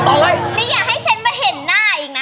หรืออย่าให้ฉันมาเห็นหน้าอีกนะ